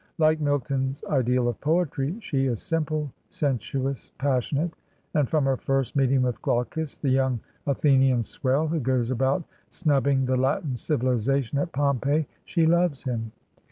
Like Milton's ideal of poetry, she is "simple, sensuous, passionate/' and from her first meeting with Glaucus, the young Athenian swell who goes about snubbing the Latin civiUzation at Pom peii, she loves him.